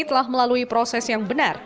telah melalui proses yang benar